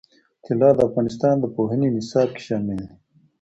طلا د افغانستان د پوهنې نصاب کې شامل دي.